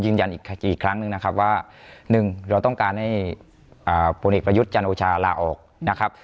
อีกครั้งหนึ่งนะครับว่าหนึ่งเราต้องการให้พลเอกประยุทธ์จันโอชาลาออกนะครับ